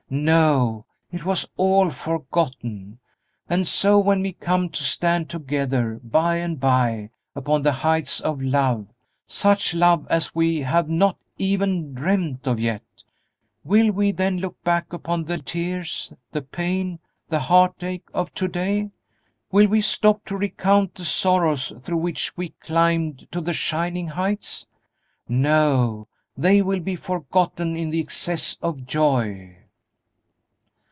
No, it was all forgotten. And so, when we come to stand together, by and by, upon the heights of love, such love as we have not even dreamed of yet, will we then look back upon the tears, the pain, the heartache of to day? Will we stop to recount the sorrows through which we climbed to the shining heights? No, they will be forgotten in the excess of joy!"